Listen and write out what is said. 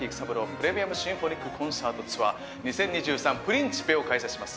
プレミアムシンフォニックコンサートツアー２０２３プリンシペを開催します。